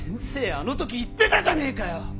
あの時言ってたじゃねえか！